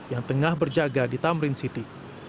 yang tengah berjaga di tamrin city